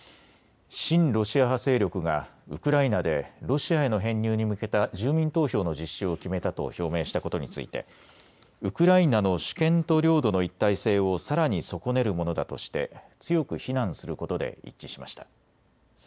親ロシア派勢力がウクライナでロシアへの編入に向けた住民投票の実施を決めたと表明したことについてウクライナの主権と領土の一体性をさらに損ねるものだとして強く非難することで一致しました。